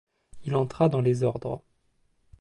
Il entra dans les ordres.